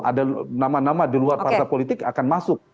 ada nama nama di luar partai politik akan masuk